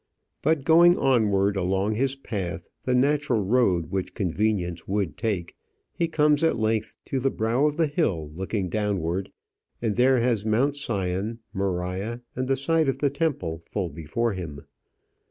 But going onward along his path, the natural road which convenience would take, he comes at length to the brow of the hill, looking downwards, and there has Mount Sion, Moriah, and the site of the temple full before him.